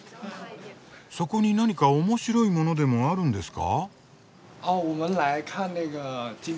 そこに何かおもしろいものでもあるんですか？